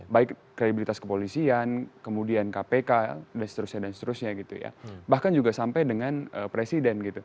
baik kredibilitas kepolisian kemudian kpk dan seterusnya bahkan juga sampai dengan presiden